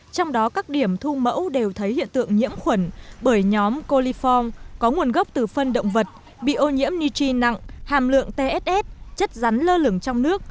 trong đó các điểm thu mẫu đều thấy hiện tượng nhiễm khuẩn bởi nhóm coliform có nguồn gốc từ phân động vật bị ô nhiễm nigi nặng hàm lượng tss chất rắn lơ lửng trong nước